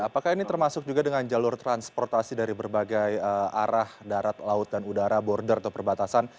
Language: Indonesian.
apakah ini termasuk juga dengan jalur transportasi dari berbagai arah darat laut dan udara border atau perbatasan